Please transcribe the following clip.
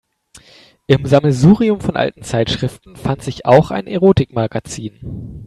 Im Sammelsurium von alten Zeitschriften fand sich auch ein Erotikmagazin.